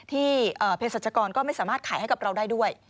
เพศรัชกรก็ไม่สามารถขายให้กับเราได้ด้วย